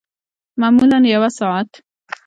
معمولاً یوه ساعت